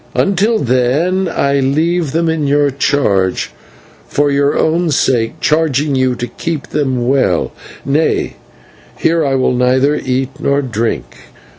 Until then I leave them in your keeping, for your own sake charging you to keep them well. Nay, here I will neither eat nor drink.